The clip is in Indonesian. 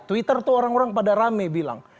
twitter tuh orang orang pada rame bilang